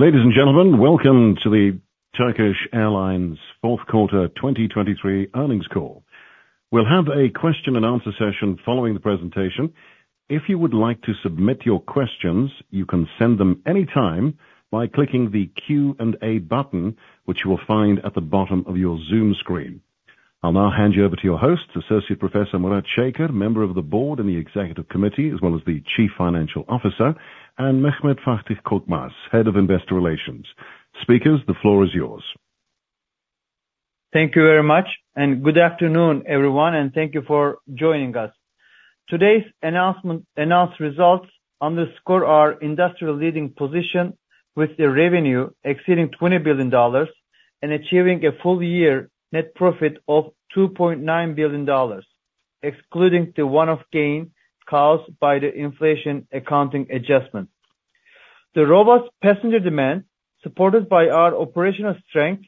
Ladies and gentlemen, welcome to the Turkish Airlines fourth quarter 2023 earnings call. We'll have a question and answer session following the presentation. If you would like to submit your questions, you can send them anytime by clicking the Q&A button, which you will find at the bottom of your Zoom screen. I'll now hand you over to your host, Associate Professor Murat Şeker, member of the board and the executive committee, as well as the Chief Financial Officer, and Mehmet Fatih Korkmaz, Head of Investor Relations. Speakers, the floor is yours. Thank you very much, and good afternoon, everyone, and thank you for joining us. Today's announced results underscore our industry-leading position with a revenue exceeding $20 billion and achieving a full year net profit of $2.9 billion, excluding the one-off gain caused by the inflation accounting adjustment. The robust passenger demand, supported by our operational strength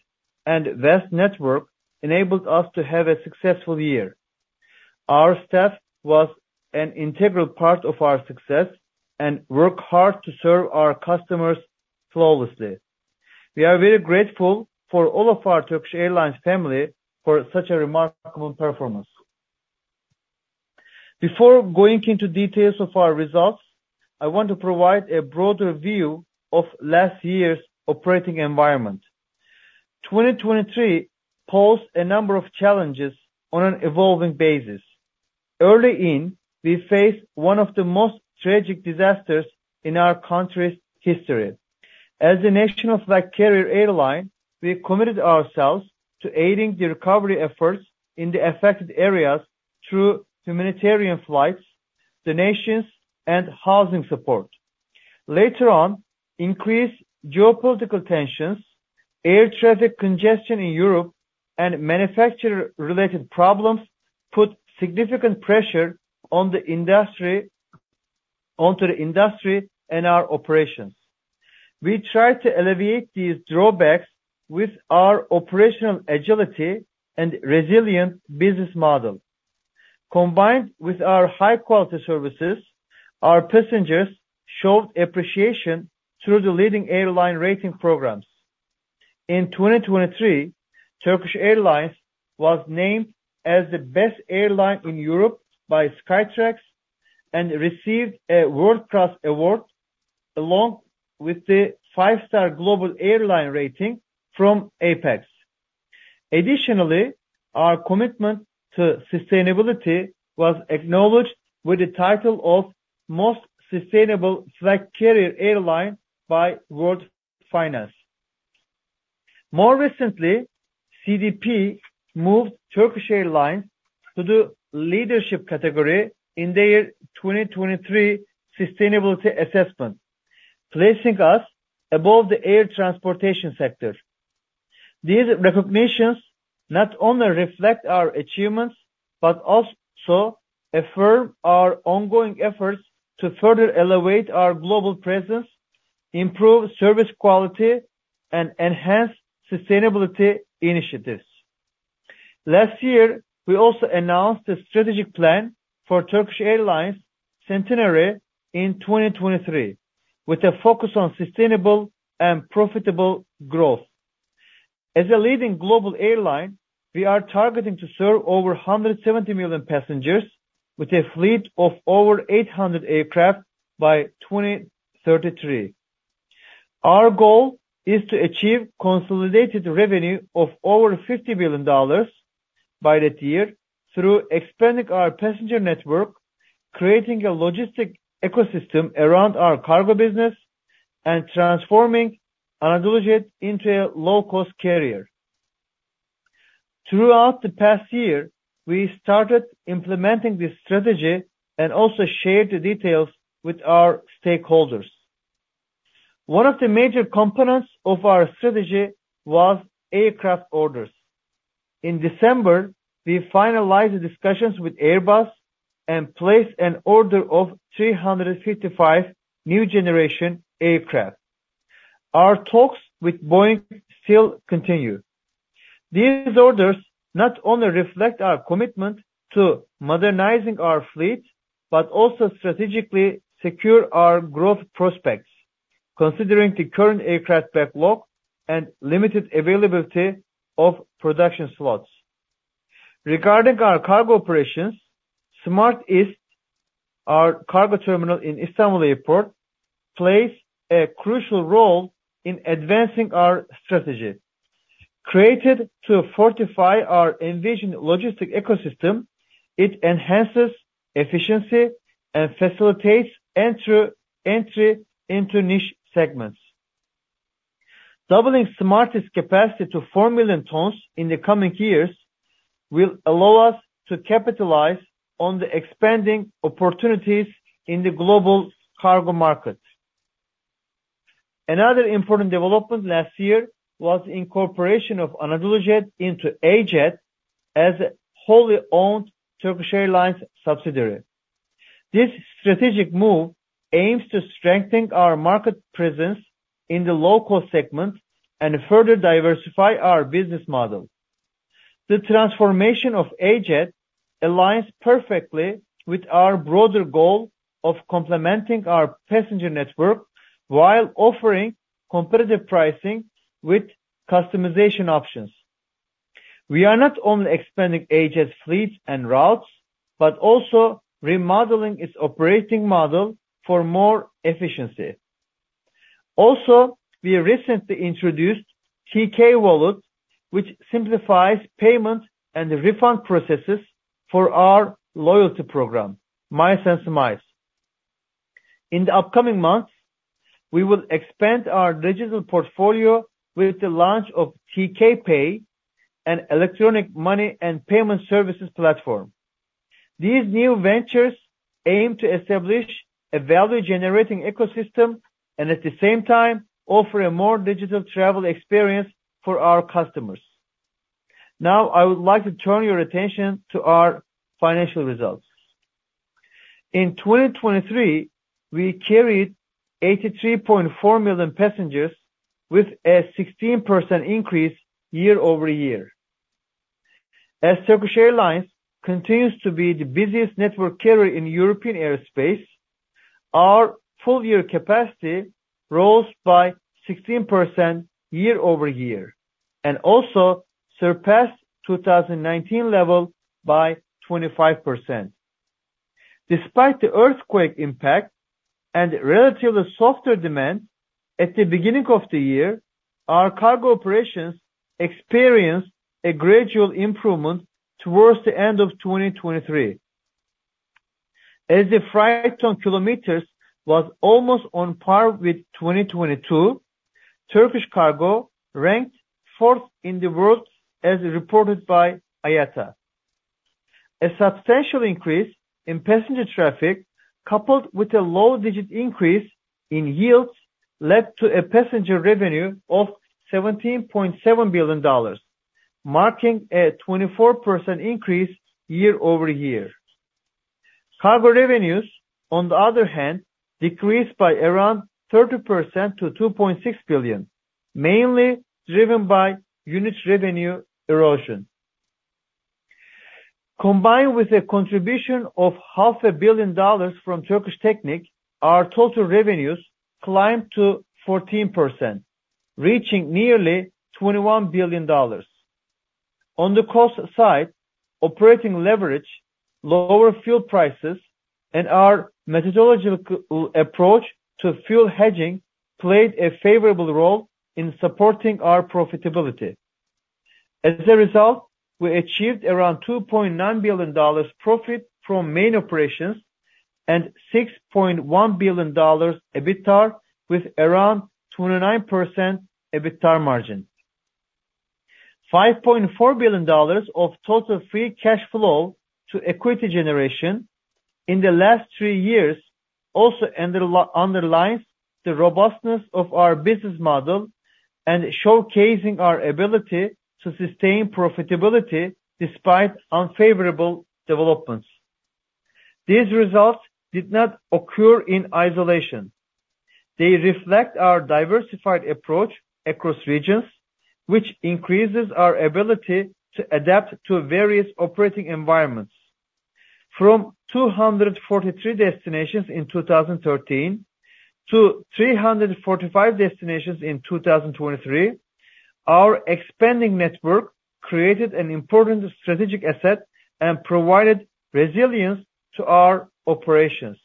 and vast network, enabled us to have a successful year. Our staff was an integral part of our success and work hard to serve our customers flawlessly. We are very grateful for all of our Turkish Airlines family for such a remarkable performance. Before going into details of our results, I want to provide a broader view of last year's operating environment. 2023 posed a number of challenges on an evolving basis. Early in, we faced one of the most tragic disasters in our country's history. As a nation of flag carrier airline, we committed ourselves to aiding the recovery efforts in the affected areas through humanitarian flights, donations, and housing support. Later on, increased geopolitical tensions, air traffic congestion in Europe, and manufacturer-related problems put significant pressure on the industry, onto the industry and our operations. We tried to alleviate these drawbacks with our operational agility and resilient business model. Combined with our high-quality services, our passengers showed appreciation through the leading airline rating programs. In 2023, Turkish Airlines was named as the best airline in Europe by Skytrax and received a World Class Award, along with the five-star global airline rating from APEX. Additionally, our commitment to sustainability was acknowledged with the title of Most Sustainable Flag Carrier Airline by World Finance. More recently, CDP moved Turkish Airlines to the leadership category in their 2023 sustainability assessment, placing us above the air transportation sector. These recognitions not only reflect our achievements, but also affirm our ongoing efforts to further elevate our global presence, improve service quality, and enhance sustainability initiatives. Last year, we also announced a strategic plan for Turkish Airlines Centenary in 2023, with a focus on sustainable and profitable growth. As a leading global airline, we are targeting to serve over 170 million passengers with a fleet of over 800 aircraft by 2033. Our goal is to achieve consolidated revenue of over $50 billion by that year through expanding our passenger network, creating a logistic ecosystem around our cargo business, and transforming AnadoluJet into a low-cost carrier. Throughout the past year, we started implementing this strategy and also shared the details with our stakeholders. One of the major components of our strategy was aircraft orders. In December, we finalized the discussions with Airbus and placed an order of 355 new generation aircraft. Our talks with Boeing still continue. These orders not only reflect our commitment to modernizing our fleet, but also strategically secure our growth prospects, considering the current aircraft backlog and limited availability of production slots. Regarding our cargo operations, SMARTIST, our cargo terminal in Istanbul Airport, plays a crucial role in advancing our strategy. Created to fortify our envisioned logistics ecosystem, it enhances efficiency and facilitates entry into niche segments. Doubling SMARTIST capacity to four million tons in the coming years will allow us to capitalize on the expanding opportunities in the global cargo market. Another important development last year was the incorporation of AnadoluJet into AJet as a wholly owned Turkish Airlines subsidiary. This strategic move aims to strengthen our market presence in the low-cost segment and further diversify our business model. The transformation of AJet aligns perfectly with our broader goal of complementing our passenger network while offering competitive pricing with customization options. We are not only expanding AJet's fleet and routes, but also remodeling its operating model for more efficiency. Also, we recently introduced TK Wallet, which simplifies payment and refund processes for our loyalty program, Miles&Smiles. In the upcoming months, we will expand our digital portfolio with the launch of TK Pay and electronic money and payment services platform. These new ventures aim to establish a value-generating ecosystem and at the same time, offer a more digital travel experience for our customers. Now, I would like to turn your attention to our financial results. In 2023, we carried 83.4 million passengers, with a 16% increase year-over-year. As Turkish Airlines continues to be the busiest network carrier in European airspace, our full year capacity rose by 16% year-over-year, and also surpassed 2019 level by 25%. Despite the earthquake impact and relatively softer demand at the beginning of the year, our cargo operations experienced a gradual improvement towards the end of 2023. As the freight ton kilometers was almost on par with 2022, Turkish Cargo ranked 4th in the world, as reported by IATA. A substantial increase in passenger traffic, coupled with a low digit increase in yields, led to a passenger revenue of $17.7 billion, marking a 24% increase year-over-year. Cargo revenues, on the other hand, decreased by around 30% to $2.6 billion, mainly driven by unit revenue erosion. Combined with a contribution of $500 million from Turkish Technic, our total revenues climbed to 14%, reaching nearly $21 billion. On the cost side, operating leverage, lower fuel prices, and our methodological approach to fuel hedging played a favorable role in supporting our profitability. As a result, we achieved around $2.9 billion profit from main operations and $6.1 billion EBITDA, with around 29% EBITDA margin. $5.4 billion of total free cash flow to equity generation in the last three years also underlines the robustness of our business model and showcasing our ability to sustain profitability despite unfavorable developments. These results did not occur in isolation. They reflect our diversified approach across regions, which increases our ability to adapt to various operating environments. From 243 destinations in 2013 to 345 destinations in 2023, our expanding network created an important strategic asset and provided resilience to our operations.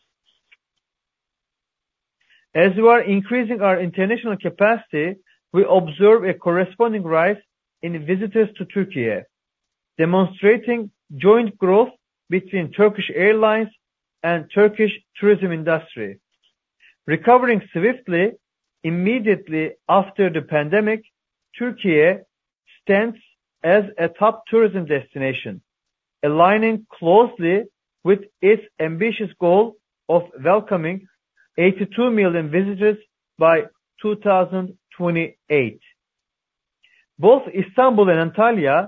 As we are increasing our international capacity, we observe a corresponding rise in visitors to Turkey, demonstrating joint growth between Turkish Airlines and Turkish tourism industry. Recovering swiftly, immediately after the pandemic, Turkey stands as a top tourism destination, aligning closely with its ambitious goal of welcoming 82 million visitors by 2028. Both Istanbul and Antalya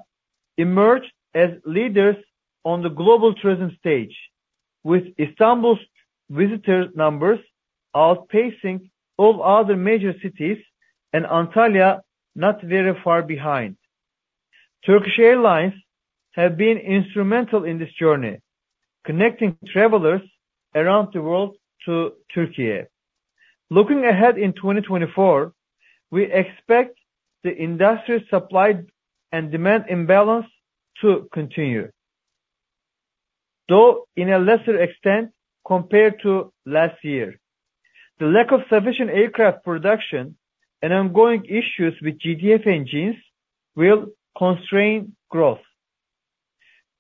emerged as leaders on the global tourism stage, with Istanbul's visitor numbers outpacing all other major cities, and Antalya not very far behind. Turkish Airlines have been instrumental in this journey, connecting travelers around the world to Turkey. Looking ahead in 2024, we expect the industry supply and demand imbalance to continue, though in a lesser extent compared to last year. The lack of sufficient aircraft production and ongoing issues with GTF engines will constrain growth.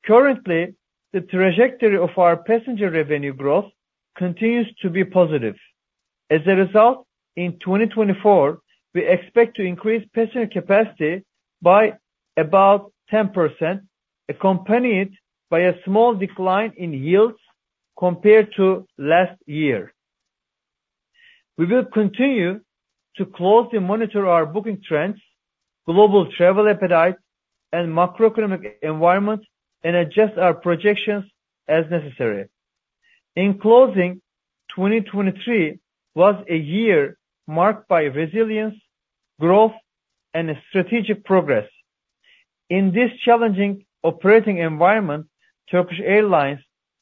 Currently, the trajectory of our passenger revenue growth continues to be positive. As a result, in 2024, we expect to increase passenger capacity by about 10%, accompanied by a small decline in yields compared to last year. We will continue to closely monitor our booking trends, global travel appetite and macroeconomic environment, and adjust our projections as necessary. In closing, 2023 was a year marked by resilience, growth, and strategic progress. In this challenging operating environment, Turkish Airlines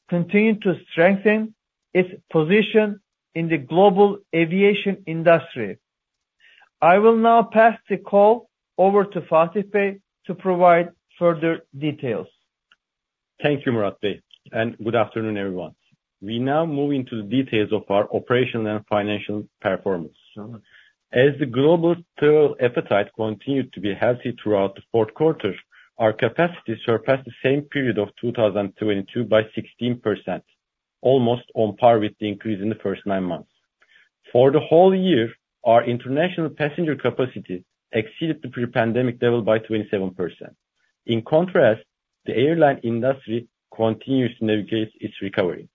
continued to strengthen its position in the global aviation industry. I will now pass the call over to Fatih Bey to provide further details. Thank you, Murat Bey, and good afternoon, everyone. We now move into the details of our operational and financial performance. As the global travel appetite continued to be healthy throughout the fourth quarter, our capacity surpassed the same period of 2022 by 16%, almost on par with the increase in the first nine months. For the whole year, our international passenger capacity exceeded the pre-pandemic level by 27%. In contrast, the airline industry continues to navigate its recovery.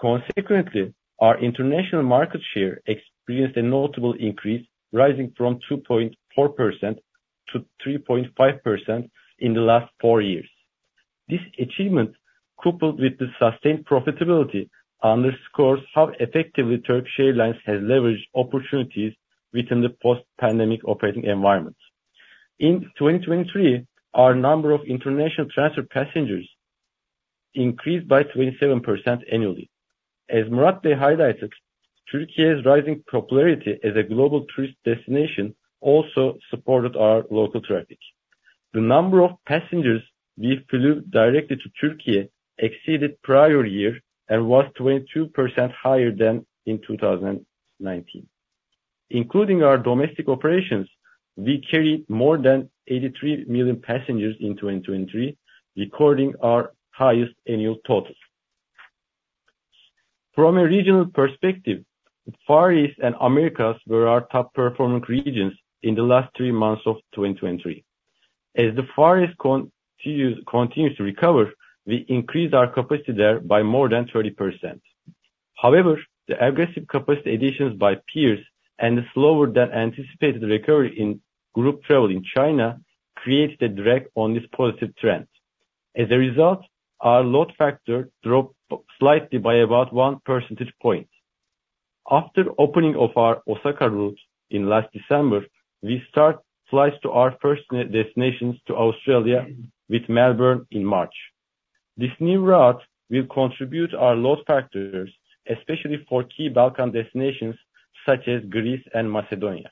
Consequently, our international market share experienced a notable increase, rising from 2.4%-3.5% in the last four years. This achievement, coupled with the sustained profitability, underscores how effectively Turkish Airlines has leveraged opportunities within the post-pandemic operating environment. In 2023, our number of international transfer passengers increased by 27% annually. As Murat Bey highlighted, Turkey's rising popularity as a global tourist destination also supported our local traffic. The number of passengers we flew directly to Turkey exceeded prior year and was 22% higher than in 2019. Including our domestic operations, we carried more than 83 million passengers in 2023, recording our highest annual totals. From a regional perspective, Far East and Americas were our top performing regions in the last three months of 2023. As the Far East continues to recover, we increased our capacity there by more than 30%. However, the aggressive capacity additions by peers and the slower than anticipated recovery in group travel in China creates a drag on this positive trend. As a result, our load factor dropped slightly by about 1 percentage point. After opening of our Osaka route in last December, we start flights to our first destinations to Australia with Melbourne in March. This new route will contribute our load factors, especially for key Balkan destinations such as Greece and Macedonia.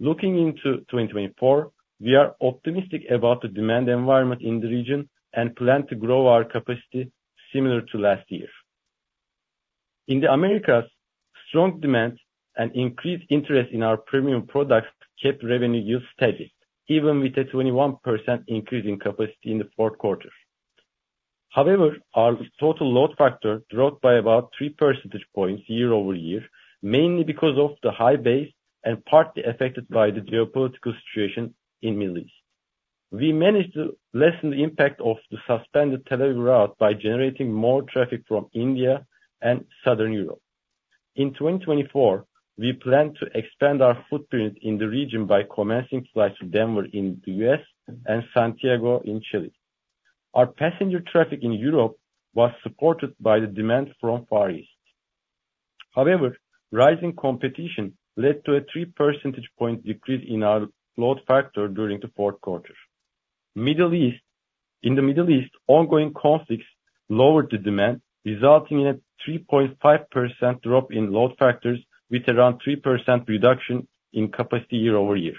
Looking into 2024, we are optimistic about the demand environment in the region and plan to grow our capacity similar to last year. In the Americas, strong demand and increased interest in our premium products kept revenue yield steady, even with a 21% increase in capacity in the fourth quarter. However, our total load factor dropped by about three percentage points year-over-year, mainly because of the high base and partly affected by the geopolitical situation in Middle East. We managed to lessen the impact of the suspended Tel Aviv route by generating more traffic from India and Southern Europe. In 2024, we plan to expand our footprint in the region by commencing flights to Denver in the U.S. and Santiago in Chile. Our passenger traffic in Europe was supported by the demand from Far East. However, rising competition led to a three percentage point decrease in our load factor during the fourth quarter. Middle East. In the Middle East, ongoing conflicts lowered the demand, resulting in a 3.5% drop in load factors, with around 3% reduction in capacity year-over-year.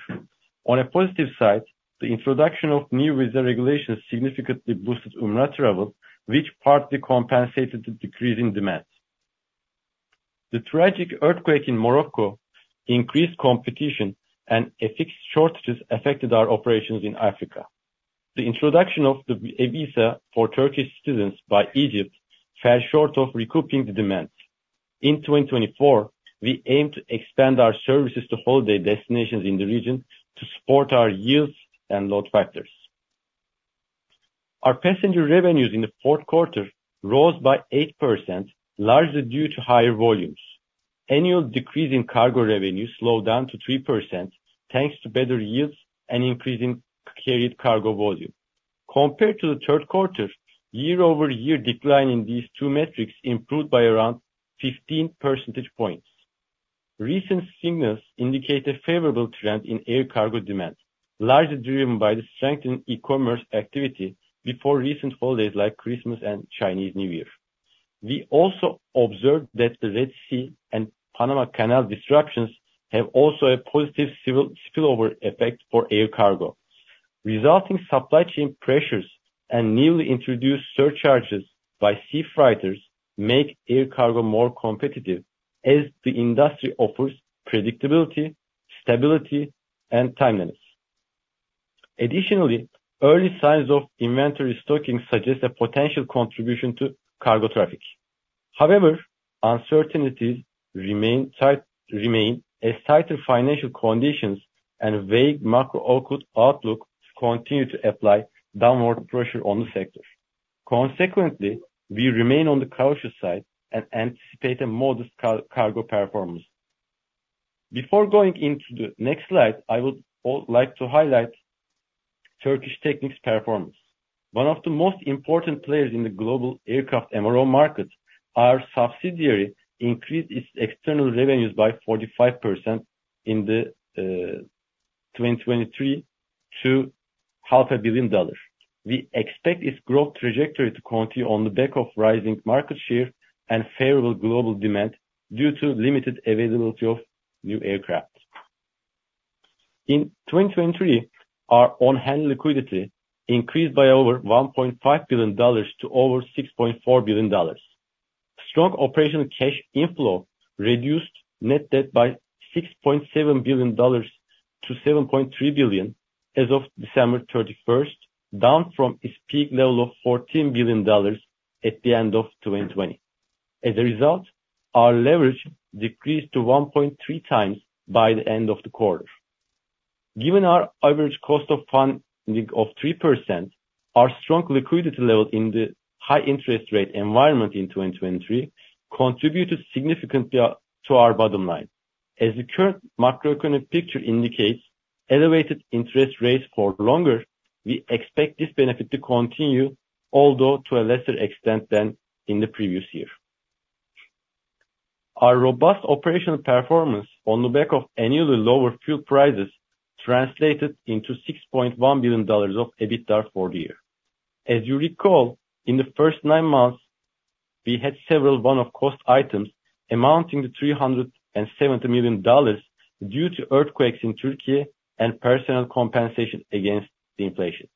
On a positive side, the introduction of new visa regulations significantly boosted Umrah travel, which partly compensated the decrease in demand. The tragic earthquake in Morocco increased competition, and FX shortages affected our operations in Africa. The introduction of a visa for Turkish citizens by Egypt fell short of recouping the demand. In 2024, we aim to expand our services to holiday destinations in the region to support our yields and load factors. Our passenger revenues in the fourth quarter rose by 8%, largely due to higher volumes. Annual decrease in cargo revenues slowed down to 3%, thanks to better yields and increase in carried cargo volume. Compared to the third quarter, year-over-year decline in these two metrics improved by around 15 percentage points. Recent signals indicate a favorable trend in air cargo demand, largely driven by the strength in e-commerce activity before recent holidays like Christmas and Chinese New Year. We also observed that the Red Sea and Panama Canal disruptions have also a positive spillover effect for air cargo. Resulting supply chain pressures and newly introduced surcharges by sea freighters make air cargo more competitive as the industry offers predictability, stability, and timeliness. Additionally, early signs of inventory stocking suggest a potential contribution to cargo traffic. However, uncertainties remain as tighter financial conditions and a vague macro outlook continue to apply downward pressure on the sector. Consequently, we remain on the cautious side and anticipate a modest cargo performance.... Before going into the next slide, I would also like to highlight Turkish Technic's performance. One of the most important players in the global aircraft MRO market, our subsidiary increased its external revenues by 45% in 2023 to $500 million. We expect its growth trajectory to continue on the back of rising market share and favorable global demand due to limited availability of new aircraft. In 2023, our on-hand liquidity increased by over $1.5 billion to over $6.4 billion. Strong operational cash inflow reduced net debt by $6.7 billion-$7.3 billion as of December 31st, down from its peak level of $14 billion at the end of 2020. As a result, our leverage decreased to 1.3x by the end of the quarter. Given our average cost of funding of 3%, our strong liquidity level in the high interest rate environment in 2023 contributed significantly to our bottom line. As the current macroeconomic picture indicates elevated interest rates for longer, we expect this benefit to continue, although to a lesser extent than in the previous year. Our robust operational performance on the back of annually lower fuel prices translated into $6.1 billion of EBITDA for the year. As you recall, in the first nine months, we had several one-off cost items amounting to $370 million due to earthquakes in Turkey and personnel compensation against the inflation.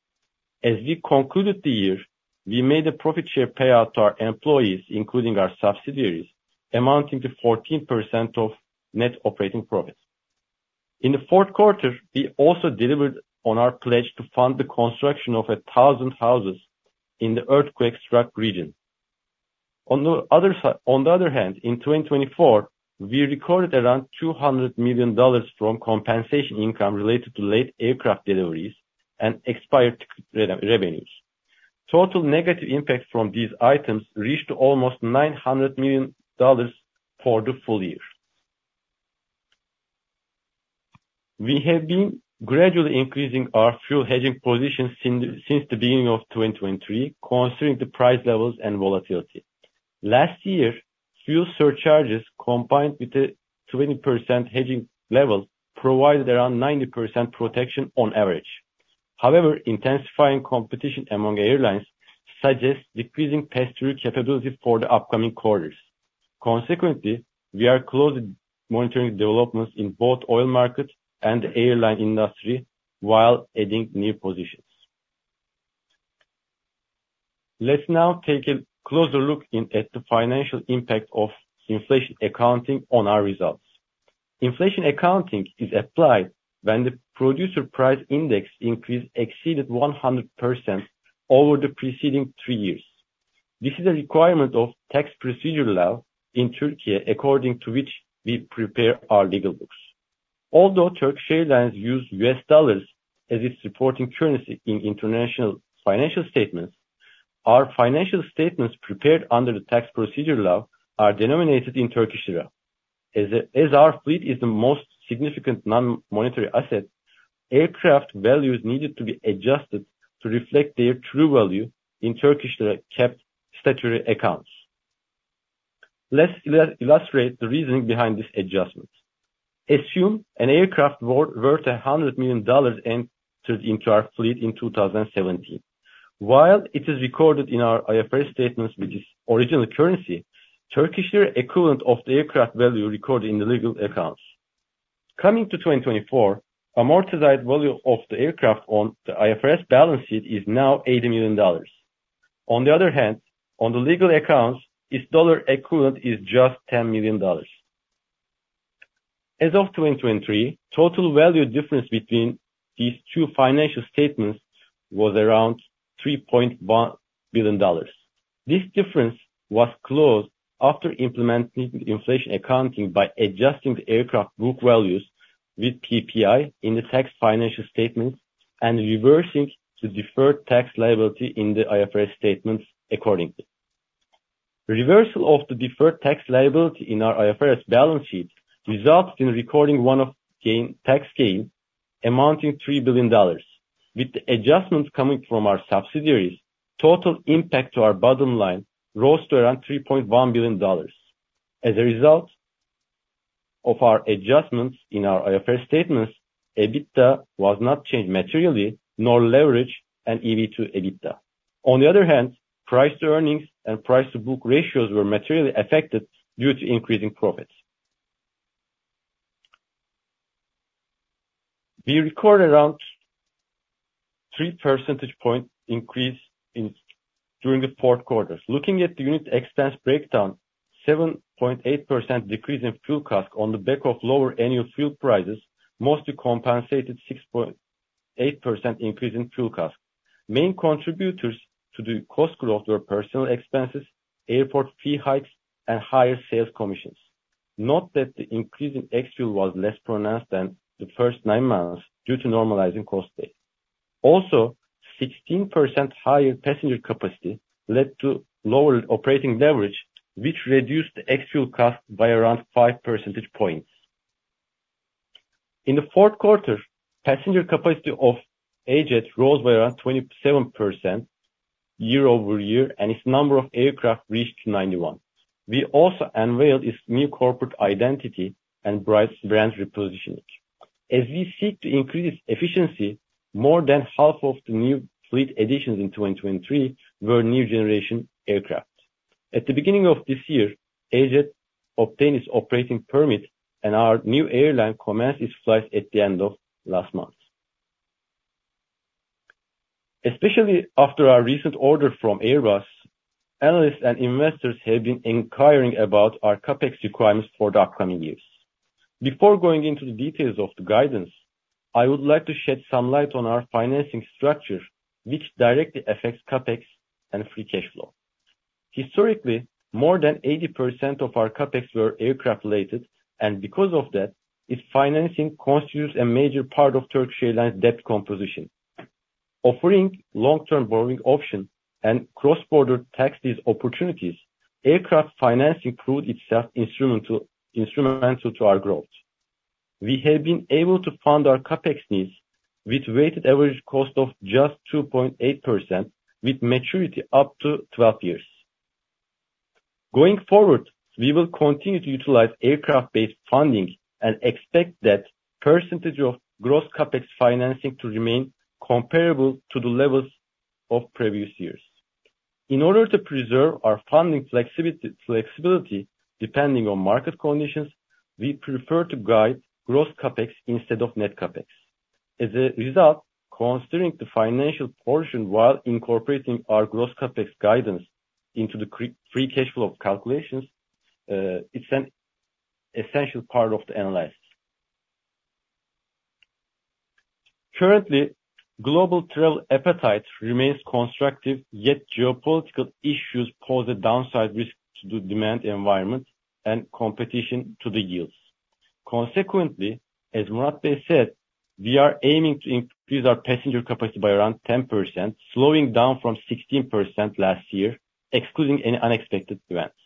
As we concluded the year, we made a profit share payout to our employees, including our subsidiaries, amounting to 14% of net operating profits. In the fourth quarter, we also delivered on our pledge to fund the construction of 1,000 houses in the earthquake-struck region. On the other hand, in 2024, we recorded around $200 million from compensation income related to late aircraft deliveries and expired revenues. Total negative impacts from these items reached almost $900 million for the full year. We have been gradually increasing our fuel hedging position since the beginning of 2023, considering the price levels and volatility. Last year, fuel surcharges, combined with the 20% hedging level, provided around 90% protection on average. However, intensifying competition among airlines suggests decreasing passenger capabilities for the upcoming quarters. Consequently, we are closely monitoring developments in both oil markets and the airline industry, while adding new positions. Let's now take a closer look at the financial impact of inflation accounting on our results. Inflation accounting is applied when the producer price index increase exceeded 100% over the preceding three years. This is a requirement of tax procedure law in Turkey, according to which we prepare our legal books. Although Turkish Airlines use U.S. dollars as its reporting currency in international financial statements, our financial statements prepared under the tax procedure law are denominated in Turkish lira. Our fleet is the most significant non-monetary asset, aircraft values needed to be adjusted to reflect their true value in Turkish lira-kept statutory accounts. Let's illustrate the reasoning behind this adjustment. Assume an aircraft worth $100 million entered into our fleet in 2017. While it is recorded in our IFRS statements, which is original currency, Turkish lira equivalent of the aircraft value recorded in the legal accounts. Coming to 2024, amortized value of the aircraft on the IFRS balance sheet is now $80 million. On the other hand, on the legal accounts, its dollar equivalent is just $10 million. As of 2023, total value difference between these two financial statements was around $3.1 billion. This difference was closed after implementing the inflation accounting by adjusting the aircraft book values with PPI in the tax financial statements and reversing the deferred tax liability in the IFRS statements accordingly. Reversal of the deferred tax liability in our IFRS balance sheet results in recording one-off gain - tax gain amounting $3 billion. With the adjustments coming from our subsidiaries, total impact to our bottom line rose to around $3.1 billion. As a result of our adjustments in our IFRS statements, EBITDA was not changed materially, nor leverage and EV to EBITDA. On the other hand, price to earnings and price to book ratios were materially affected due to increasing profits. We record around three percentage point increase in during the fourth quarters. Looking at the unit expense breakdown, 7.8% decrease in fuel cost on the back of lower annual fuel prices, mostly compensated 6.8% increase in fuel cost. Main contributors to the cost growth were personal expenses, airport fee hikes, and higher sales commissions. Note that the increase in ex-fuel was less pronounced than the first nine months due to normalizing cost base. Also, 16% higher passenger capacity led to lower operating leverage, which reduced the extra cost by around five percentage points. In the fourth quarter, passenger capacity of AJet rose by around 27% year-over-year, and its number of aircraft reached 91. We also unveiled its new corporate identity and brand repositioning. As we seek to increase efficiency, more than half of the new fleet additions in 2023 were new generation aircraft. At the beginning of this year, AJet obtained its operating permit, and our new airline commenced its flight at the end of last month. Especially after our recent order from Airbus, analysts and investors have been inquiring about our CapEx requirements for the upcoming years. Before going into the details of the guidance, I would like to shed some light on our financing structure, which directly affects CapEx and free cash flow. Historically, more than 80% of our CapEx were aircraft-related, and because of that, its financing constitutes a major part of Turkish Airlines' debt composition. Offering long-term borrowing option and cross-border taxes opportunities, aircraft financing proved itself instrumental, instrumental to our growth. We have been able to fund our CapEx needs with weighted average cost of just 2.8%, with maturity up to 12 years. Going forward, we will continue to utilize aircraft-based funding and expect that percentage of gross CapEx financing to remain comparable to the levels of previous years. In order to preserve our funding flexibility, depending on market conditions, we prefer to guide gross CapEx instead of net CapEx. As a result, considering the financial portion while incorporating our gross CapEx guidance into the free cash flow calculations, it's an essential part of the analysis. Currently, global travel appetite remains constructive, yet geopolitical issues pose a downside risk to the demand environment and competition to the yields. Consequently, as Murat Bey said, we are aiming to increase our passenger capacity by around 10%, slowing down from 16% last year, excluding any unexpected events.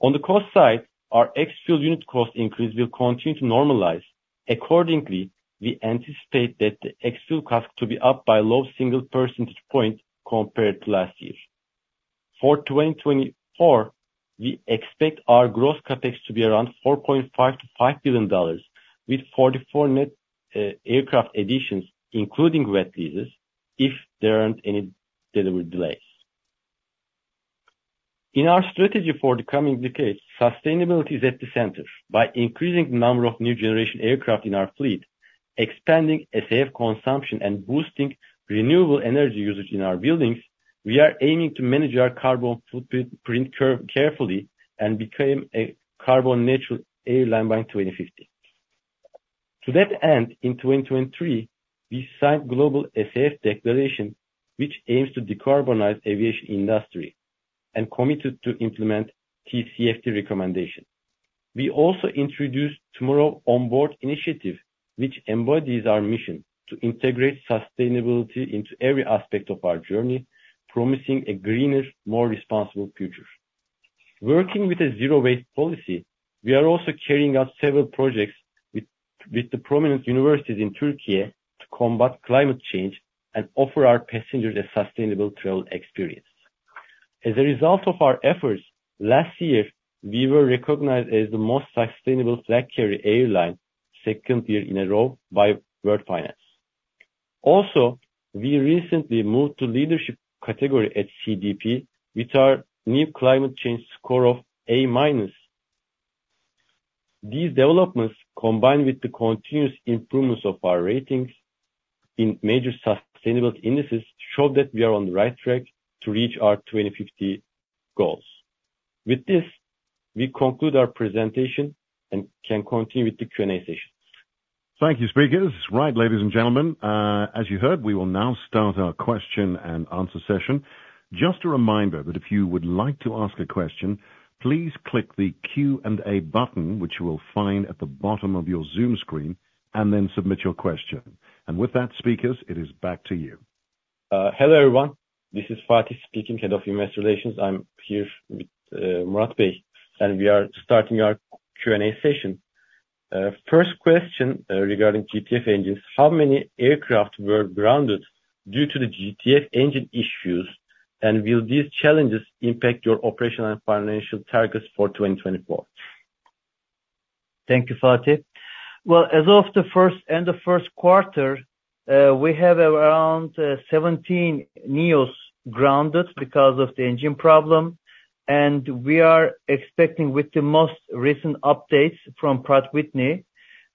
On the cost side, our ex-fuel unit cost increase will continue to normalize. Accordingly, we anticipate that the ex-fuel cost to be up by low single percentage point compared to last year. For 2024, we expect our gross CapEx to be around $4.5 billion-$5 billion, with 44 net aircraft additions, including wet leases, if there aren't any delivery delays. In our strategy for the coming decades, sustainability is at the center. By increasing the number of new generation aircraft in our fleet, expanding SAF consumption, and boosting renewable energy usage in our buildings, we are aiming to manage our carbon footprint carefully and become a carbon-neutral airline by 2050. To that end, in 2023, we signed Global SAF Declaration, which aims to decarbonize aviation industry and committed to implement key TCFD recommendation. We also introduced Tomorrow Onboard initiative, which embodies our mission to integrate sustainability into every aspect of our journey, promising a greener, more responsible future. Working with a zero-waste policy, we are also carrying out several projects with the prominent universities in Turkey to combat climate change and offer our passengers a sustainable travel experience. As a result of our efforts, last year, we were recognized as the Most Sustainable Flag Carrier Airline, second year in a row, by World Finance. Also, we recently moved to leadership category at CDP with our new climate change score of A minus. These developments, combined with the continuous improvements of our ratings in major sustainable indices, show that we are on the right track to reach our 2050 goals. With this, we conclude our presentation and can continue with the Q&A session. Thank you, speakers. Right, ladies and gentlemen, as you heard, we will now start our question and answer session. Just a reminder that if you would like to ask a question, please click the Q&A button, which you will find at the bottom of your Zoom screen, and then submit your question. With that, speakers, it is back to you. Hello, everyone. This is Fatih speaking, head of Investor Relations. I'm here with Murat Şeker, and we are starting our Q&A session. First question regarding GTF engines: How many aircraft were grounded due to the GTF engine issues? And will these challenges impact your operational and financial targets for 2024? Thank you, Fatih. Well, as of the end of first quarter, we have around 17 NEOs grounded because of the engine problem, and we are expecting, with the most recent updates from Pratt & Whitney,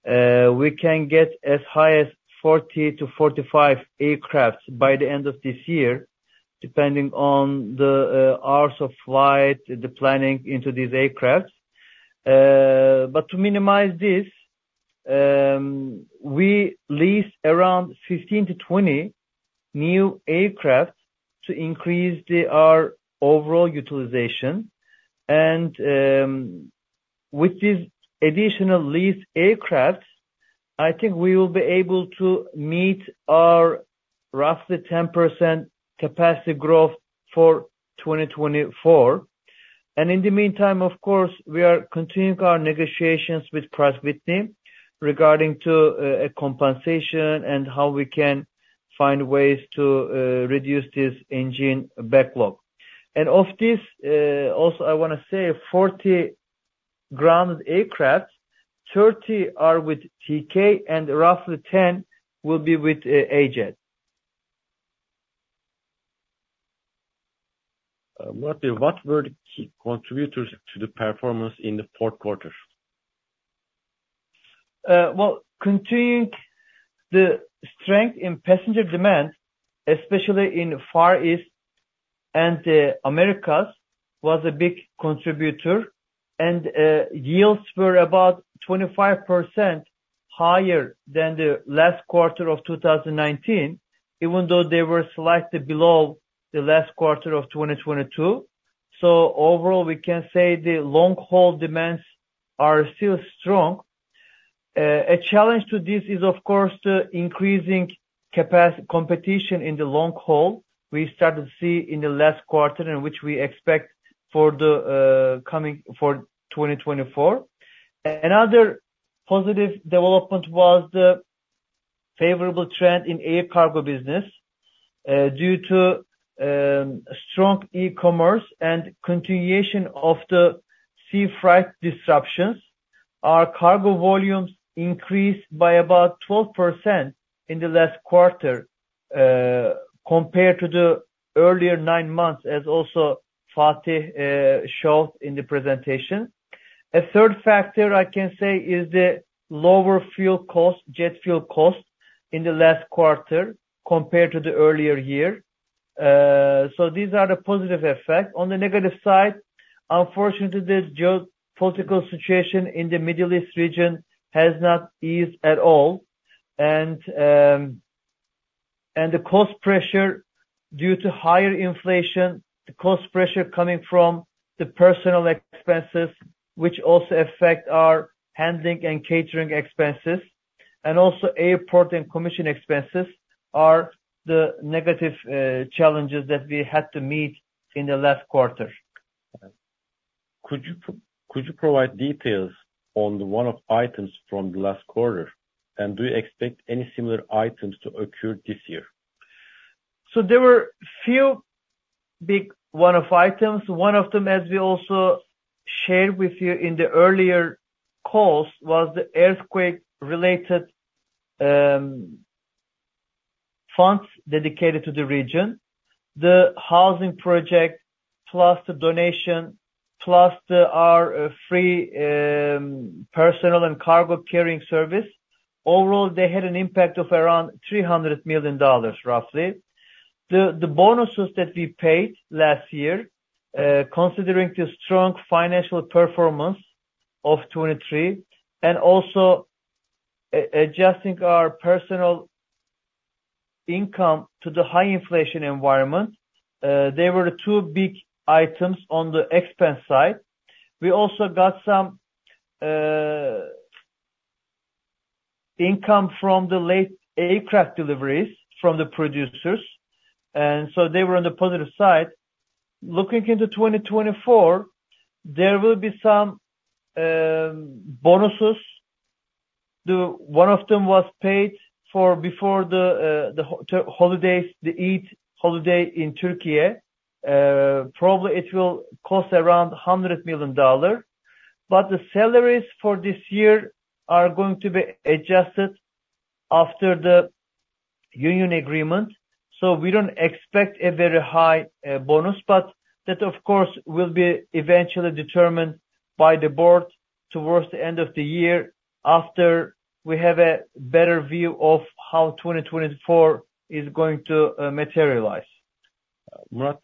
we can get as high as 40-45 aircraft by the end of this year, depending on the hours of flight, the planning into these aircraft. But to minimize this, we leased around 15-20 new aircraft to increase our overall utilization and... With these additional leased aircraft, I think we will be able to meet our roughly 10% capacity growth for 2024. And in the meantime, of course, we are continuing our negotiations with Pratt & Whitney regarding to a compensation and how we can find ways to reduce this engine backlog. Of this, also, I want to say 40 grounded aircraft, 30 are with TK and roughly 10 will be with AJet. What were the key contributors to the performance in the fourth quarter? Well, continuing the strength in passenger demand, especially in Far East and the Americas, was a big contributor, and yields were about 25% higher than the last quarter of 2019, even though they were slightly below the last quarter of 2022. So overall, we can say the long-haul demands are still strong. A challenge to this is, of course, the increasing competition in the long haul. We started to see in the last quarter, and which we expect for the coming for 2024. Another positive development was the favorable trend in air cargo business. Due to strong e-commerce and continuation of the sea freight disruptions, our cargo volumes increased by about 12% in the last quarter compared to the earlier nine months, as also Fatih showed in the presentation. A third factor I can say is the lower fuel cost, jet fuel cost in the last quarter compared to the earlier year. So these are the positive effect. On the negative side, unfortunately, this geopolitical situation in the Middle East region has not eased at all. And the cost pressure due to higher inflation, the cost pressure coming from the personnel expenses, which also affect our handling and catering expenses, and also airport and commission expenses, are the negative challenges that we had to meet in the last quarter. Could you provide details on the one-off items from the last quarter, and do you expect any similar items to occur this year? So there were few big one-off items. One of them, as we also shared with you in the earlier calls, was the earthquake-related funds dedicated to the region. The housing project, plus the donation, plus our free personal and cargo carrying service. Overall, they had an impact of around $300 million, roughly. The bonuses that we paid last year, considering the strong financial performance of 2023, and also adjusting our personal income to the high inflation environment, they were the two big items on the expense side. We also got some income from the late aircraft deliveries from the producers, and so they were on the positive side. Looking into 2024, there will be some bonuses. One of them was paid for before the holidays, the Eid holiday in Turkey. Probably it will cost around $100 million. But the salaries for this year are going to be adjusted after the union agreement, so we don't expect a very high bonus. But that, of course, will be eventually determined by the board towards the end of the year, after we have a better view of how 2024 is going to materialize. Murat,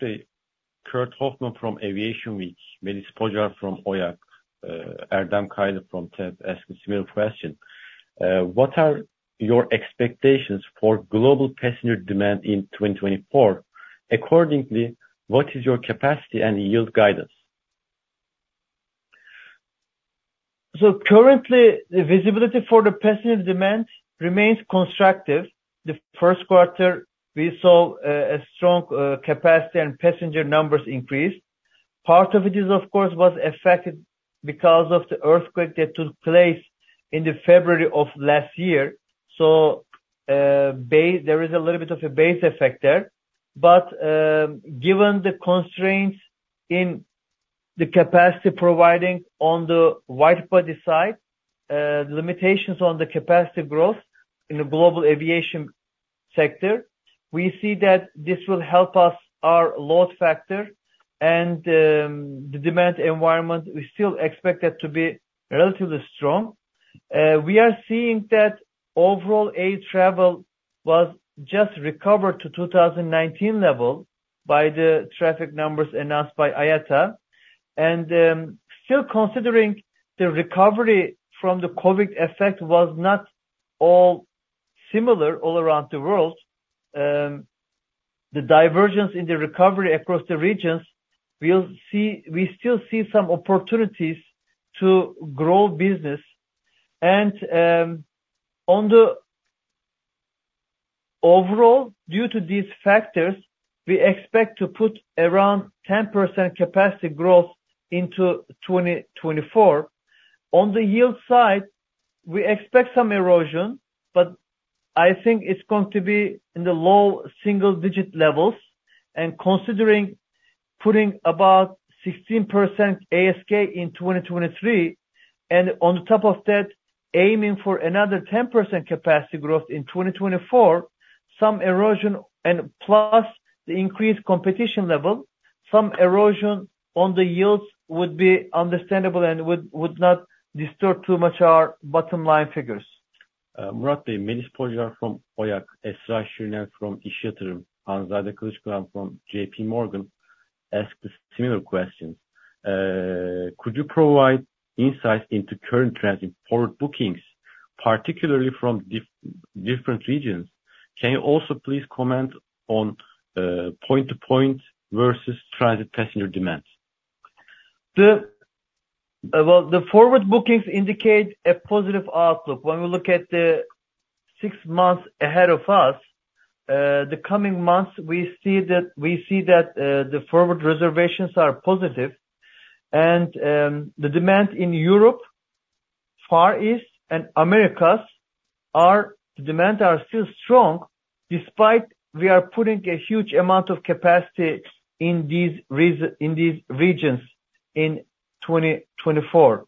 Kurt Hoffman from Aviation Week, Melis Pocar from Oyak, Erdem Kayli from TEB, asking similar question: What are your expectations for global passenger demand in 2024? Accordingly, what is your capacity and yield guidance? So currently, the visibility for the passenger demand remains constructive. The first quarter, we saw a strong capacity and passenger numbers increase. Part of it is, of course, was affected because of the earthquake that took place in the February of last year. So, base there is a little bit of a base effect there. But, given the constraints in the capacity providing on the wide-body side, limitations on the capacity growth in the global aviation sector, we see that this will help us, our load factor and, the demand environment, we still expect it to be relatively strong. We are seeing that overall air travel was just recovered to 2019 level by the traffic numbers announced by IATA. And, still considering the recovery from the COVID effect was not all similar all around the world. The divergence in the recovery across the regions, we'll see, we still see some opportunities to grow business. And on the overall, due to these factors, we expect to put around 10% capacity growth into 2024. On the yield side, we expect some erosion, but I think it's going to be in the low single digit levels, and considering putting about 16% ASK in 2023, and on top of that, aiming for another 10% capacity growth in 2024, some erosion, and plus the increased competition level, some erosion on the yields would be understandable and would not disturb too much our bottom line figures. Murat, Melis Pocar from Oyak, Esra Şirin from İş Yatırım, Hanzade Kılıçkıran from JPMorgan, asked a similar question. Could you provide insight into current trends in forward bookings, particularly from different regions? Can you also please comment on point-to-point versus transit passenger demands? Well, the forward bookings indicate a positive outlook. When we look at the six months ahead of us, the coming months, we see that, we see that, the forward reservations are positive, and, the demand in Europe, Far East, and Americas are still strong, despite we are putting a huge amount of capacity in these regions in 2024.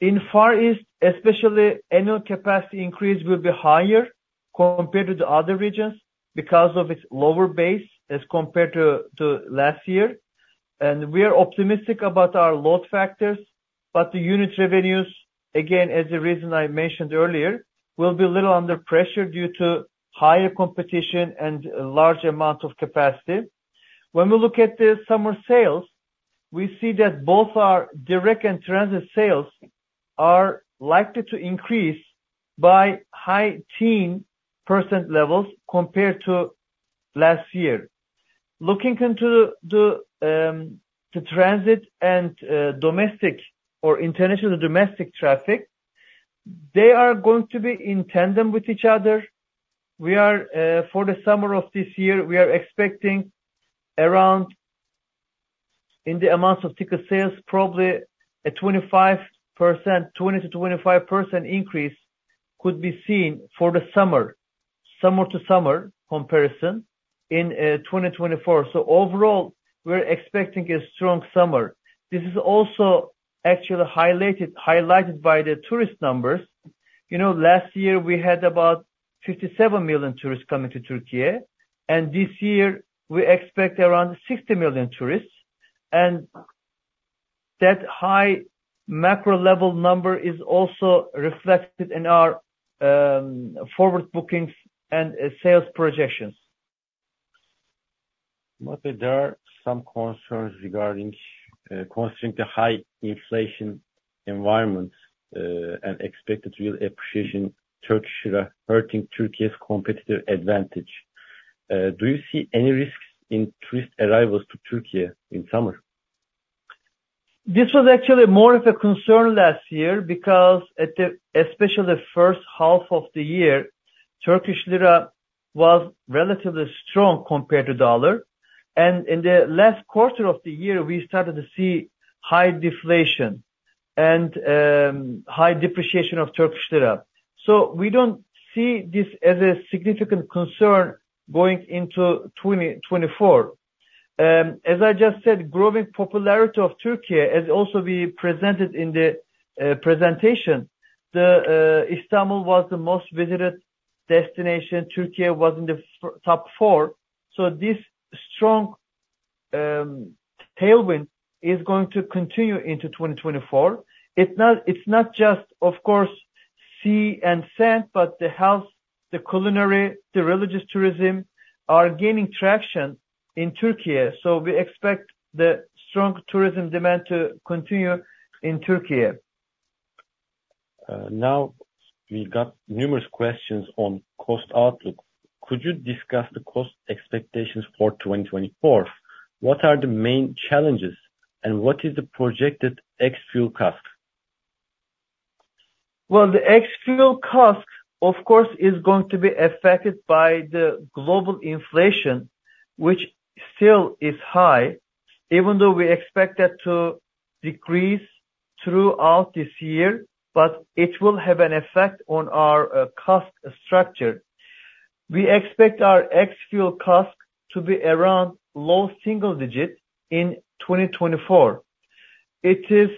In Far East, especially, annual capacity increase will be higher compared to the other regions because of its lower base as compared to last year. And we are optimistic about our load factors, but the unit revenues, again, as the reason I mentioned earlier, will be a little under pressure due to higher competition and a large amount of capacity. When we look at the summer sales, we see that both our direct and transit sales are likely to increase by high-teen percent levels compared to last year. Looking into the transit and domestic or international domestic traffic, they are going to be in tandem with each other. We are for the summer of this year, we are expecting around, in the amounts of ticket sales, probably a 25%, 20%-25% increase could be seen for the summer, summer to summer comparison in 2024. So overall, we're expecting a strong summer. This is also actually highlighted by the tourist numbers. You know, last year we had about 57 million tourists coming to Turkey, and this year we expect around 60 million tourists. That high macro level number is also reflected in our forward bookings and sales projections. But there are some concerns regarding, concerning the high inflation environment, and expected real appreciation Turkish Lira hurting Turkey's competitive advantage. Do you see any risks in tourist arrivals to Turkey in summer? This was actually more of a concern last year, because, especially the first half of the year, Turkish lira was relatively strong compared to US dollar. In the last quarter of the year, we started to see high deflation and high depreciation of Turkish lira. We don't see this as a significant concern going into 2024. As I just said, growing popularity of Turkey, as also we presented in the presentation, Istanbul was the most visited destination, Turkey was in the top four. This strong tailwind is going to continue into 2024. It's not, it's not just, of course, sea and sand, but the health, the culinary, the religious tourism are gaining traction in Turkey. We expect the strong tourism demand to continue in Turkey. Now, we got numerous questions on cost outlook. Could you discuss the cost expectations for 2024? What are the main challenges, and what is the projected ex-fuel cost? Well, the ex-fuel cost, of course, is going to be affected by the global inflation, which still is high, even though we expect that to decrease throughout this year, but it will have an effect on our cost structure. We expect our ex-fuel cost to be around low single digit in 2024. It is,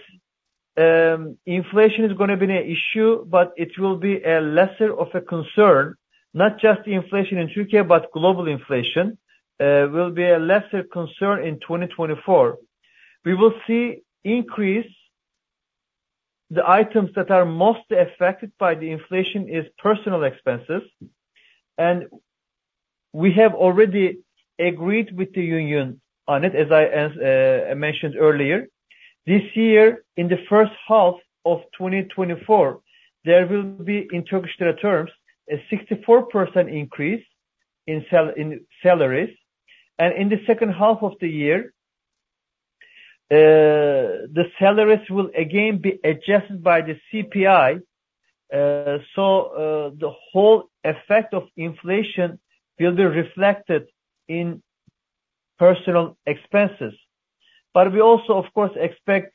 inflation is gonna be an issue, but it will be a lesser of a concern, not just the inflation in Turkey, but global inflation, will be a lesser concern in 2024. We will see increase. The items that are most affected by the inflation is personal expenses, and we have already agreed with the union on it, as I mentioned earlier. This year, in the first half of 2024, there will be, in Turkish lira terms, a 64% increase in salaries, and in the second half of the year, the salaries will again be adjusted by the CPI. So, the whole effect of inflation will be reflected in personnel expenses. But we also, of course, expect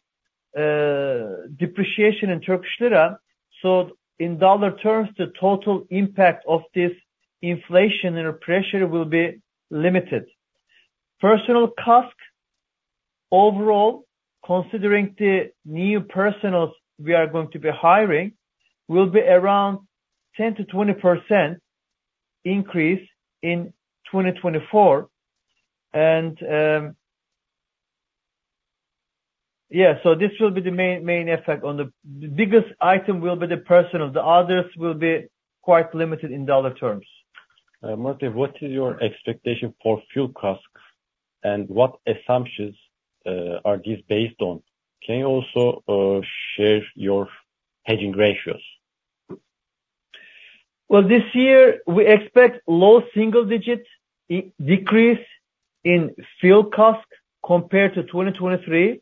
depreciation in Turkish lira, so in dollar terms, the total impact of this inflation and pressure will be limited. Personnel cost, overall, considering the new personnel we are going to be hiring, will be around 10%-20% increase in 2024. And, yeah, so this will be the main, main effect on the—the biggest item will be the personnel. The others will be quite limited in dollar terms. Marty, what is your expectation for fuel costs, and what assumptions are these based on? Can you also share your hedging ratios? Well, this year we expect low single digit decrease in fuel costs compared to 2023.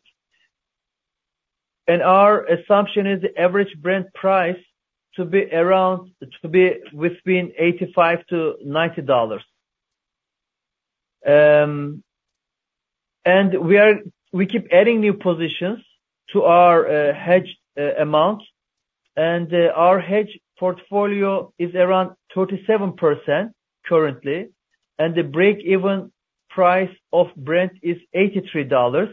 Our assumption is the average Brent price to be around, to be between $85-$90. And we keep adding new positions to our hedge amounts, and our hedge portfolio is around 37% currently, and the break-even price of Brent is $83.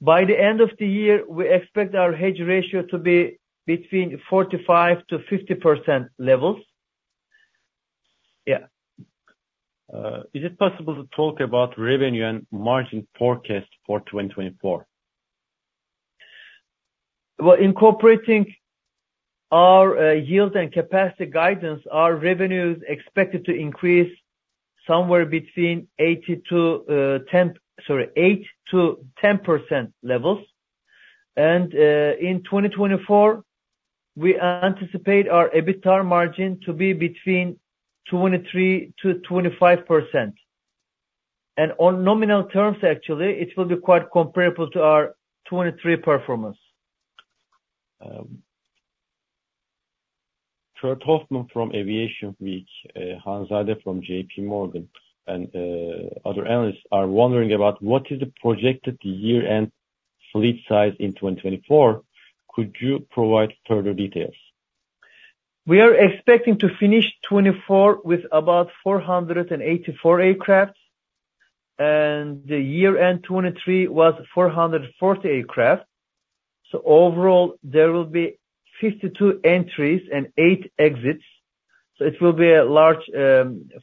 By the end of the year, we expect our hedge ratio to be between 45%-50% levels. Yeah. Is it possible to talk about revenue and margin forecast for 2024? Well, incorporating our yield and capacity guidance, our revenue is expected to increase somewhere between 8%-10%. In 2024, we anticipate our EBITDA margin to be between 23%-25%. On nominal terms, actually, it will be quite comparable to our 2023 performance. Kurt Hoffman from Aviation Week, Hanzade from JPMorgan, and other analysts are wondering about what is the projected year-end fleet size in 2024. Could you provide further details? We are expecting to finish 2024 with about 484 aircraft, and the year-end 2023 was 440 aircraft. So overall, there will be 52 entries and eight exits, so it will be a large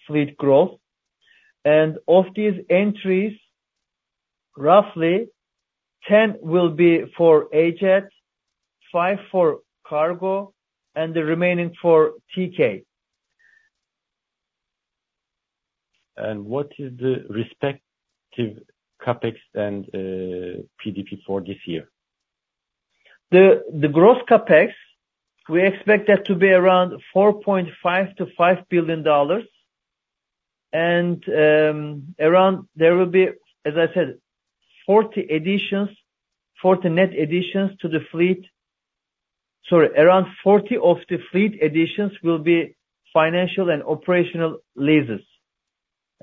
fleet growth. And of these entries, roughly 10 will be for AJet, five for cargo, and the remaining four, TK. What is the respective CapEx and PDP for this year? The gross CapEx, we expect that to be around $4.5 billion-$5 billion. And around there will be, as I said, 40 additions, 40 net additions to the fleet. Sorry, around 40 of the fleet additions will be financial and operational leases.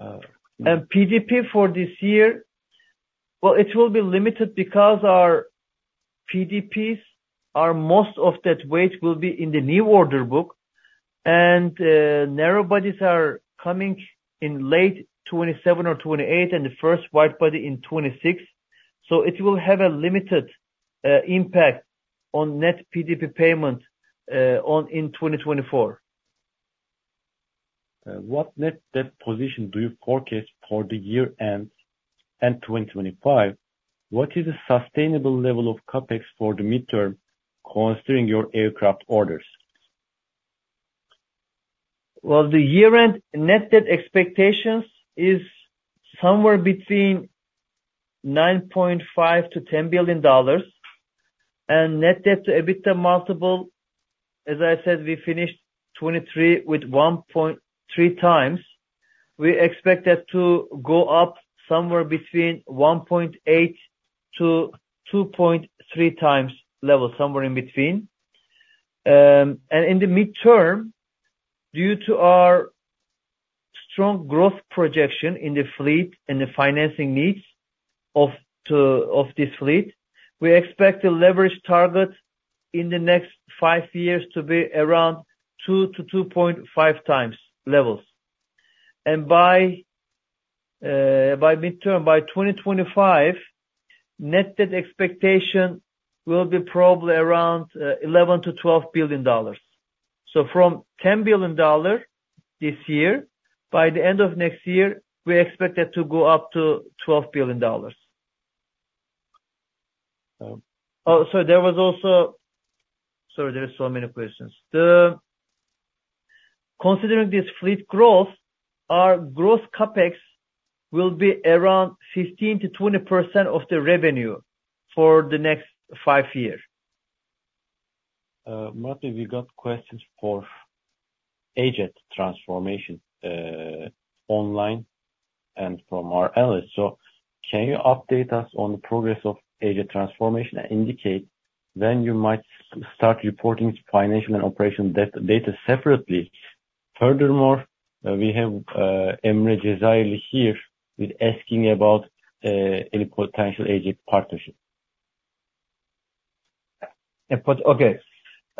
Uh. PDP for this year, well, it will be limited because our PDPs, most of that weight, will be in the new order book, and narrow bodies are coming in late 2027 or 2028, and the first wide body in 2026. So it will have a limited impact on net PDP payment in 2024. What net debt position do you forecast for the year-end and 2025? What is the sustainable level of CapEx for the midterm, considering your aircraft orders? Well, the year-end net debt expectations is somewhere between $9.5 billion-$10 billion. And net debt to EBITDA multiple, as I said, we finished 2023 with 1.3x. We expect that to go up somewhere between 1.8x-2.3x level, somewhere in between. And in the midterm, due to our strong growth projection in the fleet and the financing needs of this fleet, we expect the leverage target in the next five years to be around 2x-2.5x levels. And by midterm, by 2025, net debt expectation will be probably around $11 billion-$12 billion. So from $10 billion this year, by the end of next year, we expect that to go up to $12 billion. Oh, so there was also—sorry, there are so many questions. Considering this fleet growth, our growth CapEx will be around 15%-20% of the revenue for the next five years. Marty, we got questions for AJet transformation, online and from our analysts. So can you update us on the progress of AJet transformation and indicate when you might start reporting financial and operational data, data separately? Furthermore, we have Emre Cezayirli here, asking about any potential AJet partnership. But okay.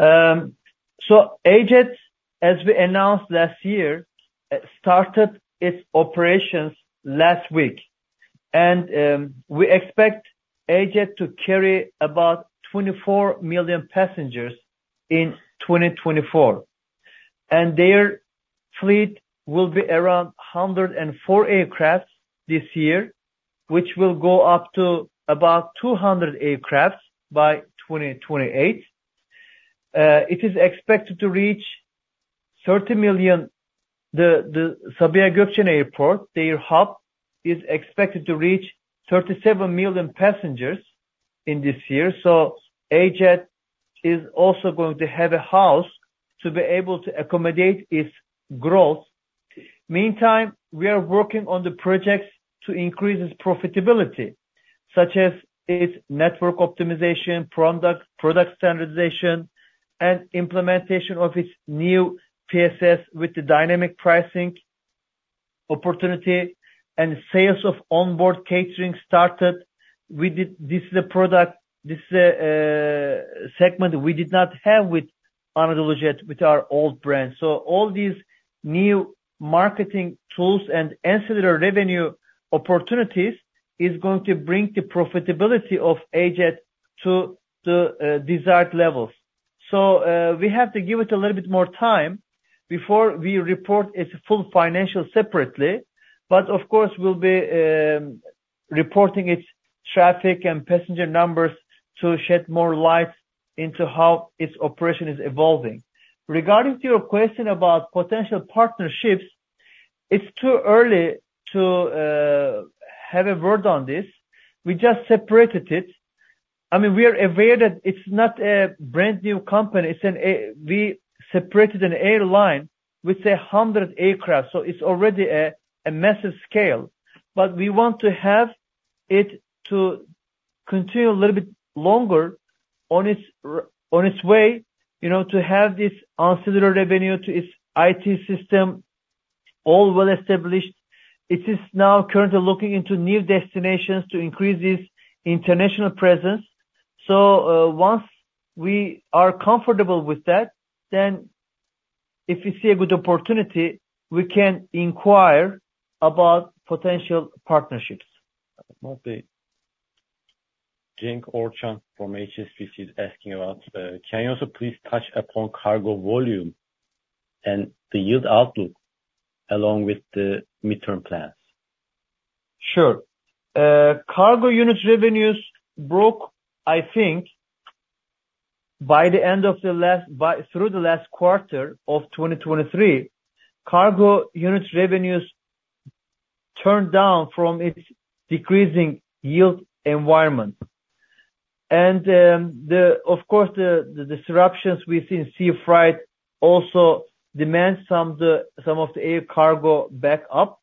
So AJet, as we announced last year, started its operations last week, and we expect AJet to carry about 24 million passengers in 2024. And their fleet will be around 104 aircraft this year, which will go up to about 200 aircraft by 2028. It is expected to reach 30 million. The Sabiha Gökçen Airport, their hub, is expected to reach 37 million passengers in this year. So AJet is also going to have a hub to be able to accommodate its growth. Meantime, we are working on the projects to increase its profitability, such as its network optimization, product, product standardization, and implementation of its new PSS with the dynamic pricing opportunity and sales of onboard catering started. We did. This is a product, this is a segment we did not have with AnadoluJet, with our old brand. So all these new marketing tools and ancillary revenue opportunities is going to bring the profitability of AJet to the desired levels. So, we have to give it a little bit more time before we report its full financial separately. But of course, we'll be reporting its traffic and passenger numbers to shed more light into how its operation is evolving. Regarding to your question about potential partnerships, it's too early to have a word on this. We just separated it. I mean, we are aware that it's not a brand new company. It's an airline we separated, an airline with 100 aircraft, so it's already a massive scale. But we want to have it continue a little bit longer on its way, you know, to have this ancillary revenue to its IT system all well established. It is now currently looking into new destinations to increase its international presence. So, once we are comfortable with that, then if we see a good opportunity, we can inquire about potential partnerships. Marty, Cenk Orcan from HSBC is asking about can you also please touch upon cargo volume and the yield outlook, along with the midterm plans? Sure. Cargo unit revenues broke, I think, by the end of the last quarter of 2023. Cargo units revenues turned down from its decreasing yield environment. And, of course, the disruptions we see in sea freight also demand some of the air cargo back up.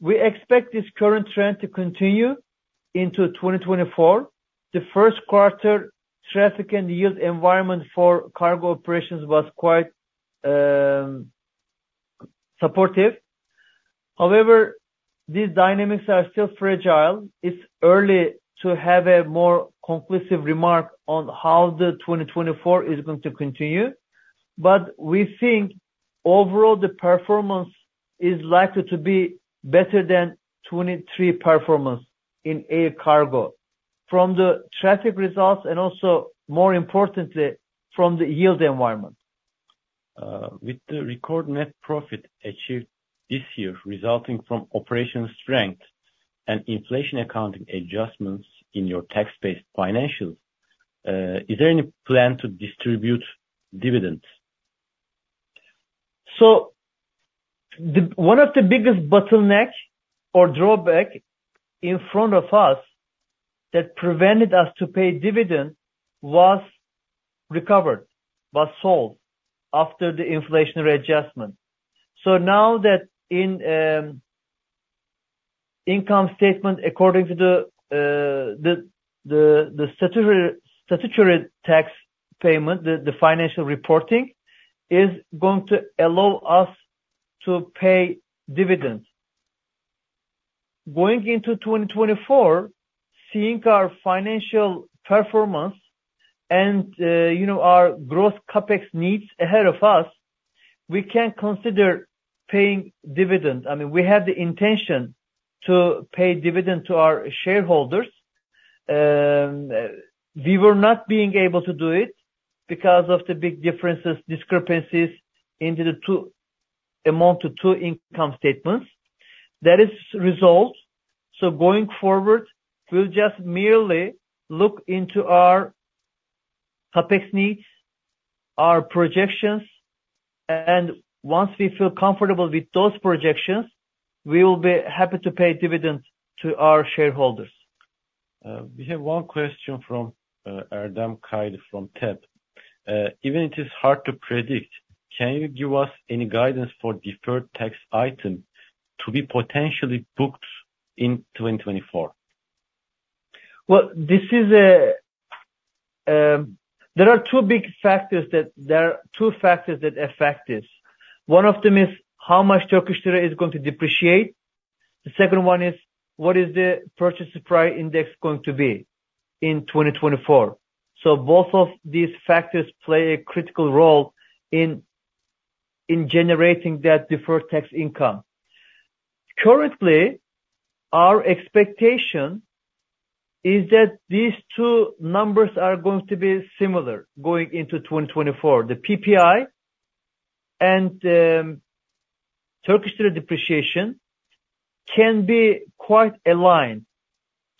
We expect this current trend to continue into 2024. The first quarter traffic and yield environment for cargo operations was quite supportive. However, these dynamics are still fragile. It's early to have a more conclusive remark on how the 2024 is going to continue, but we think overall, the performance is likely to be better than 2023 performance in air cargo from the traffic results and also, more importantly, from the yield environment. With the record net profit achieved this year, resulting from operational strength and inflation accounting adjustments in your tax-based financials, is there any plan to distribute dividends? So one of the biggest bottleneck or drawback in front of us that prevented us to pay dividends was recovered, but sold after the inflationary adjustment. So now that in income statement, according to the statutory tax payment, the financial reporting is going to allow us to pay dividends. Going into 2024, seeing our financial performance and, you know, our growth CapEx needs ahead of us, we can consider paying dividends. I mean, we have the intention to pay dividends to our shareholders. We were not being able to do it because of the big differences, discrepancies in the two income statements. That is resolved. So going forward, we'll just merely look into our CapEx needs, our projections, and once we feel comfortable with those projections, we will be happy to pay dividends to our shareholders. We have one question from Erdem Kaylı from TEB. Even it is hard to predict, can you give us any guidance for deferred tax item to be potentially booked in 2024? Well, there are two factors that affect this. One of them is how much Turkish lira is going to depreciate. The second one is, what is the purchase price index going to be in 2024? So both of these factors play a critical role in generating that deferred tax income. Currently, our expectation is that these two numbers are going to be similar going into 2024. The PPI and Turkish lira depreciation can be quite aligned.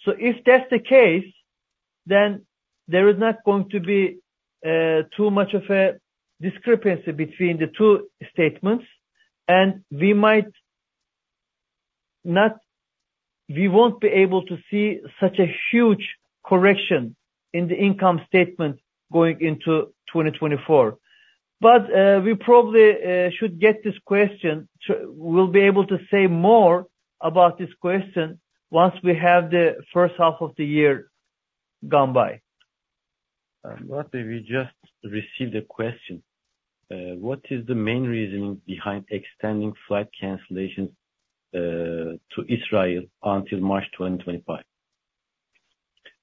So if that's the case, then there is not going to be too much of a discrepancy between the two statements, and we might not-- we won't be able to see such a huge correction in the income statement going into 2024. But, we probably should get this question. We'll be able to say more about this question once we have the first half of the year gone by. Murat, we just received a question. What is the main reasoning behind extending flight cancellations to Israel until March 2025?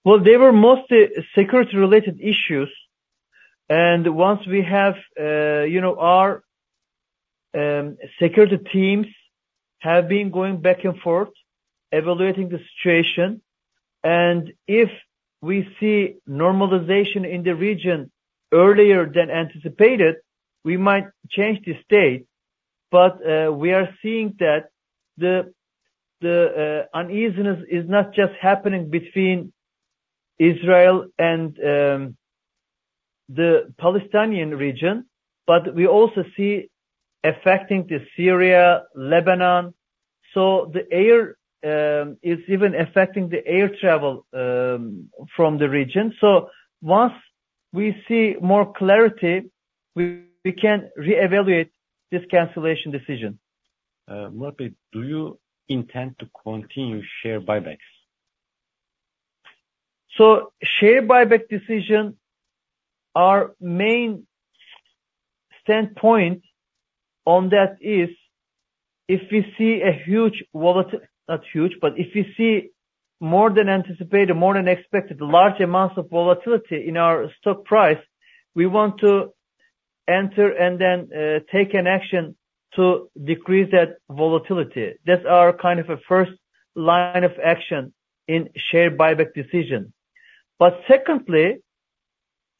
Well, they were mostly security-related issues, and once we have, you know, our security teams have been going back and forth, evaluating the situation, and if we see normalization in the region earlier than anticipated, we might change the state. But, we are seeing that the uneasiness is not just happening between Israel and the Palestinian region, but we also see affecting the Syria, Lebanon. So the air, it's even affecting the air travel from the region. So once we see more clarity, we can reevaluate this cancellation decision. Murat, do you intend to continue share buybacks? Share buyback decision, our main standpoint on that is if we see a huge, not huge, but if we see more than anticipated, more than expected, large amounts of volatility in our stock price, we want to enter and then take an action to decrease that volatility. That's our kind of a first line of action in share buyback decision. But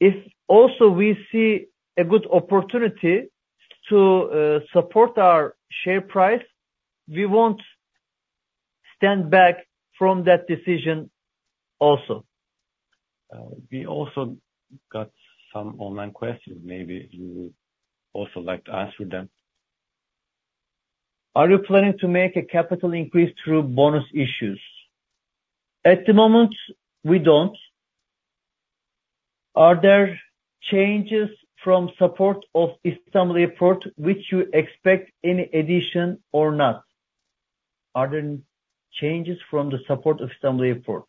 secondly, if also we see a good opportunity to support our share price, we won't stand back from that decision, also. We also got some online questions. Maybe you would also like to answer them. Are you planning to make a capital increase through bonus issues? At the moment, we don't. Are there changes from support of Istanbul Airport, which you expect any addition or not? Are there changes from the support of Istanbul Airport?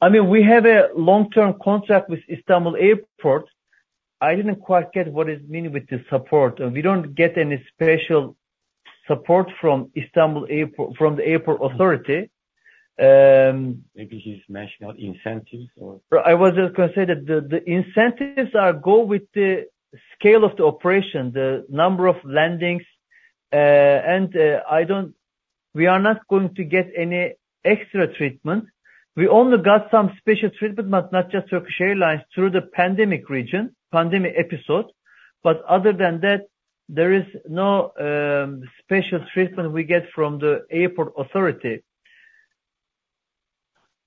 I mean, we have a long-term contract with Istanbul Airport. I didn't quite get what is meant with the support. We don't get any special support from Istanbul Airport, from the airport authority. Maybe he's mentioning incentives or- I was gonna say that the incentives go with the scale of the operation, the number of landings, and I don't-- we are not going to get any extra treatment. We only got some special treatment, but not just Turkish Airlines, through the pandemic period, pandemic episode, but other than that, there is no special treatment we get from the airport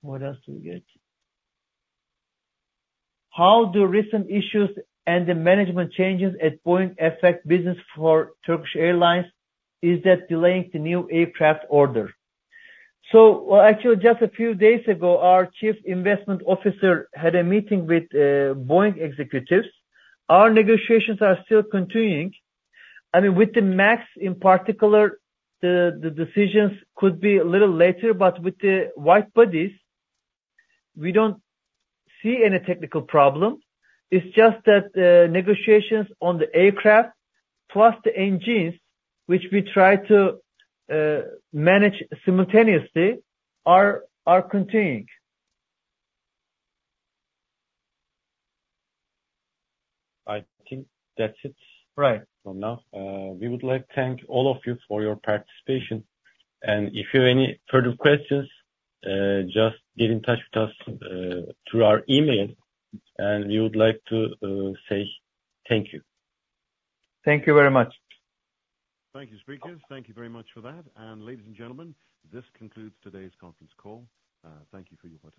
authority. What else do we get? How do recent issues and the management changes at Boeing affect business for Turkish Airlines? Is that delaying the new aircraft order? So actually, just a few days ago, our Chief Investment Officer had a meeting with Boeing executives. Our negotiations are still continuing. I mean, with the MAX in particular, the decisions could be a little later, but with the widebodies, we don't see any technical problem. It's just that, negotiations on the aircraft, plus the engines, which we try to manage simultaneously, are continuing. I think that's it. Right. For now. We would like to thank all of you for your participation, and if you have any further questions, just get in touch with us through our email, and we would like to say thank you. Thank you very much. Thank you, speakers. Thank you very much for that. Ladies and gentlemen, this concludes today's conference call. Thank you for your participation.